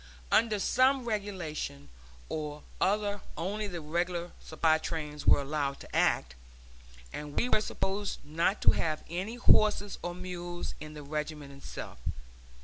Under some regulation or other only the regular supply trains were allowed to act, and we were supposed not to have any horses or mules in the regiment itself.